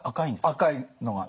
赤いのが。